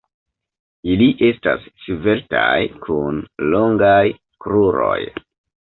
Ili estas sveltaj, kun longaj kruroj.